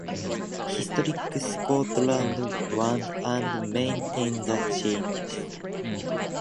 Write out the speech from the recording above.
Historic Scotland owns and maintains the engine.